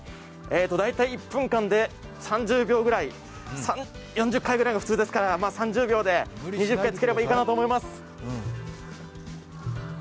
大体１分間で４０回ぐらいが普通ですかね、３０４０回ぐらいが平均ですから、３０秒で２０回つければいいと思います。